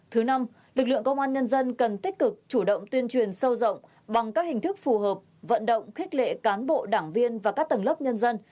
thứ năm lực lượng công an nhân dân cần tích cực chủ động tuyên truyền sâu rộng bằng các hình thức phù hợp vận động khích lệ cán bộ đảng viên và các tầng lớp nhân dân